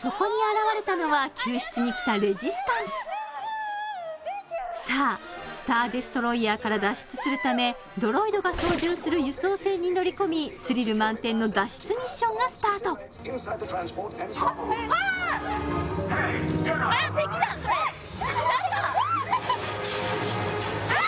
そこに現れたのは救出に来たレジスタンスさあスター・デストロイヤーから脱出するためドロイドが操縦する輸送船に乗り込みスリル満点の脱出ミッションがスタートちょっと待ってわあっ！